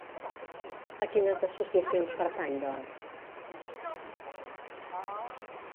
A quines associacions pertany, doncs?